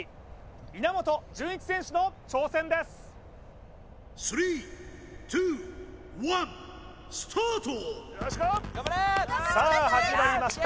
稲本潤一選手の挑戦ですさあ始まりました